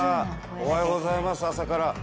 おはようございます朝から。